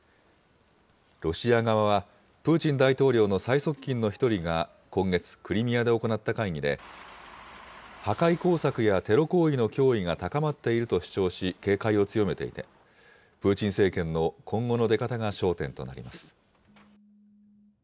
ロシア側は、プーチン大統領の最側近の１人が今月、クリミアで行った会議で、破壊工作やテロ行為の脅威が高まっていると主張し、警戒を強めていて、プーチン政権の今後の出方が焦点となります。